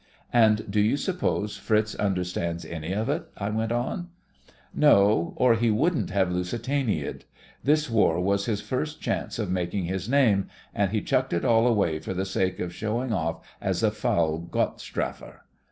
"And do you suppose Fritz under stands any of it? " I went on. "No. Or he wouldn't have lusi taniaed. This war was his first chance of making his name, and he chucked it all away for the sake of showin' off as a foul Gottstrafer."